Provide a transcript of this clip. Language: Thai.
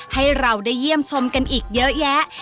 ให้เราได้เยี่ยมชมกันอีกเยอะแยะ